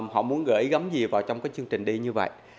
họ muốn gửi gắm gì vào trong cái chương trình đi như vậy